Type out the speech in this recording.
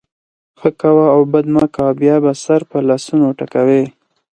ښه کوه او بد مه کوه؛ بیا به سر په لاسونو ټکوې.